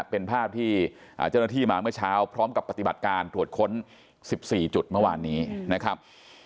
เป็นภาพที่เจ้าหน้าที่มาเมื่อเช้าพร้อมกับปฏิบัติการตรวจค้น๑๔จุดเมื่อวานนี้นะครับ